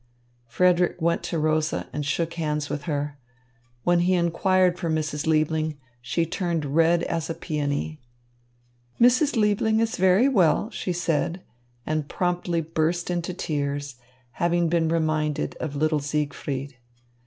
Frederick went to Rosa and shook hands with her. When he inquired for Mrs. Liebling, she turned red as a peony. "Mrs. Liebling is very well," she said, and promptly burst into tears, having been reminded of little Siegfried.